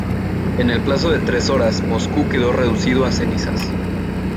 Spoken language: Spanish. En el plazo de tres horas Moscú quedó reducido a cenizas.